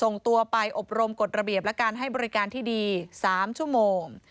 ส่งตัวไปอบรมกฎระเบียบและการให้บริการที่ดี๓ชั่วโมง